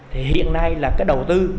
thì hiện nay là cái đầu tư